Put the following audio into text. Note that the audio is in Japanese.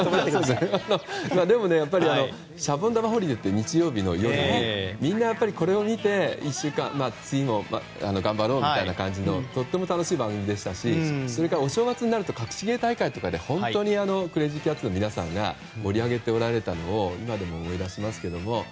でもね、「シャボン玉ホリデー」って日曜日の夜にみんなこれを見て１週間次も頑張ろうみたいな感じのとても楽しい番組でしたしそれから、お正月になると「かくし芸大会」とかでクレイジー・キャッツの皆さんが盛り上げておられてたのを今でも思い出しますけども。